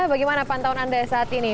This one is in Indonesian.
bagaimana pantauan anda saat ini